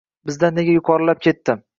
Bizdan nega yuqorilab ketdi.